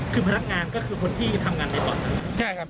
คือพนักงานก็คือคนที่ทำงานในบ่อน